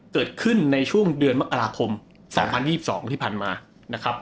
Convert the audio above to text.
เกิดขึ้นในช่วงเดือนมกราคม๒๐๒๒ที่ผ่านมานะครับ